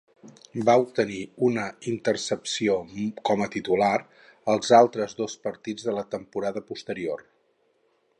Va obtenir una intercepció com a titular als altres dos partits de la temporada posterior.